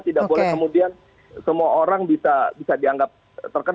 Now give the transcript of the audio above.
tidak boleh kemudian semua orang bisa dianggap terkena